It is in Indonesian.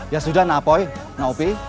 ya sudah napoy naopi